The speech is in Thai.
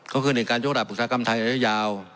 ก็คือในการโยกราบปรุกษากรรมไทยในช่วงยาว